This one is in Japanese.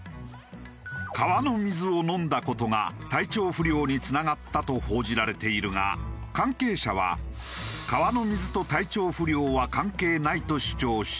川の水を飲んだ事が体調不良につながったと報じられているが関係者は川の水と体調不良は関係ないと主張している。